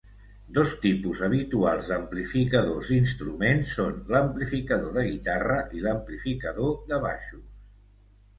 Dos tipus habituals d'amplificadors d'instruments són l'amplificador de guitarra i l'amplificador de baixos.